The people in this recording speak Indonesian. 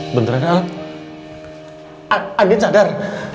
alhamdulillah anak udah sadar